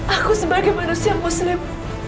aku sebagai manusia muslim